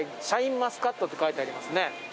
「シャインマスカット」ってって書いてありますね